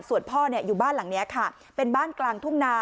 ส่วนพ่ออยู่บ้านหลังนี้ค่ะเป็นบ้านกลางทุ่งนา